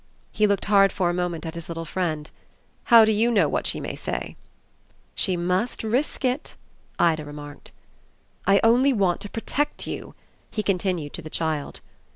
He looked hard for a moment at his little friend. "How do you know what she may say?" "She must risk it," Ida remarked. "I only want to protect you," he continued to the child.